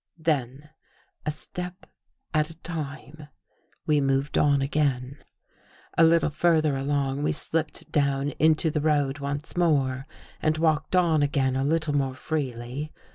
Then, a step at a time, we moved on again. A little further along, we slipped down into the road once more and walked on again a little more freely.